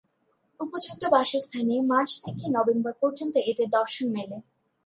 উপযুক্ত বাসস্থানে মার্চ থেকে নভেম্বর পর্যন্ত এদের দর্শন মেলে।